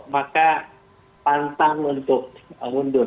maka pantang untuk mundur